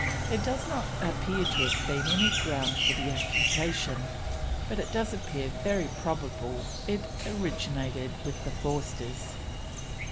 There does not appear to be any ground for the accusation, but it does appear very probable it originated with the Forsters.